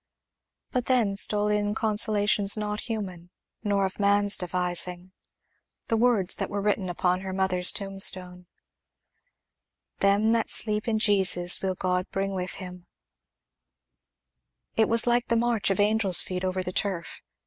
But then stole in consolations not human, nor of man's devising, the words that were written upon her mother's tombstone, "Them that sleep in Jesus will God bring with him." It was like the march of angel's feet over the turf.